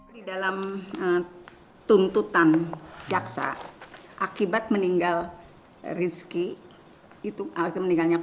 di dalam tuntutan jaksa akibat meninggal riski